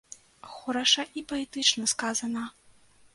Хораша і паэтычна сказана!